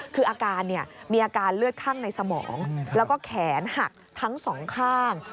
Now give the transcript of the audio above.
คืออาการมีอาการเลือดข้างในสมองแล้วก็แขนหักทั้งสองข้าง